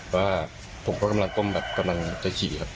ว่าผมก็กำลังก้มแบบกำลังจะฉี่ครับ